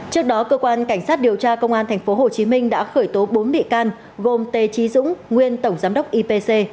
trước đó cơ quan cảnh sát điều tra công an tp hcm đã khởi tố bốn bị can gồm tê trí dũng nguyên tổng giám đốc ipc